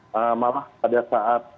malah pada saat